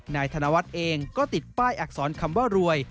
นายธนวัฒน์เองก็ติดป้ายอักษรคำว่ารวย